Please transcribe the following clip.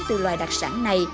từ loài đặc sản này